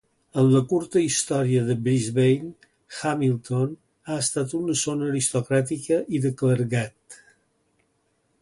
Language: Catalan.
En la curta història de Brisbane, Hamilton ha estat una zona aristocràtica i de clergat.